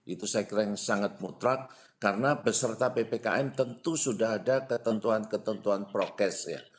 itu saya kira yang sangat mutlak karena beserta ppkm tentu sudah ada ketentuan ketentuan prokes ya